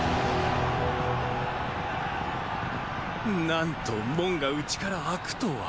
何と門が内から開くとは。